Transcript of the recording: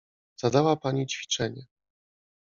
Zadała pani ćwiczenie.